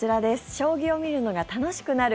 将棋を見るのが楽しくなる！